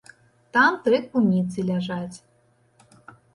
Там тры куніцы ляжаць.